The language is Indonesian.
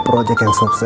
project yang sukses